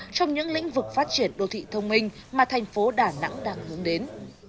trong những lĩnh vực phát triển đô thị thông minh mà thành phố đà nẵng đang hướng đến